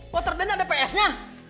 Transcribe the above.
motor dan ada ps nya